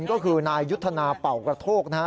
ก็คือนายยุทธนาเป่ากระโทกนะฮะ